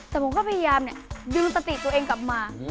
แต่ผมก็พยายามดึงสติตัวเองกลับมา